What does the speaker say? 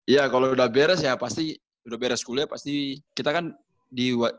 iya kalo udah beres ya pasti udah beres kuliah pasti kita kan di